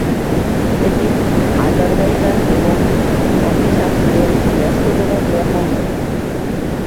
এটি আজারবাইজান এবং ককেশাস-এর ব্যস্ততম বিমানবন্দর।